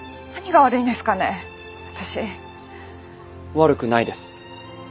悪くないです。